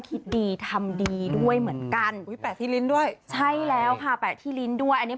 คิดดีทำดีด้วยเหมือนกันอุ้ยแปะที่ลิ้นด้วยใช่แล้วค่ะแปะที่ลิ้นด้วยอันนี้